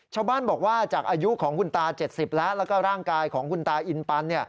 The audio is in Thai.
ชาวบ้านบอกว่าจากอายุของคุณตา๗๐แล้วแล้วก็ร่างกายของคุณตาอินปัน